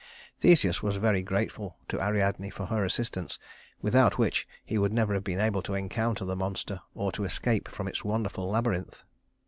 Theseus was very grateful to Ariadne for her assistance, without which he would never have been able to encounter the monster or to escape from its wonderful labyrinth.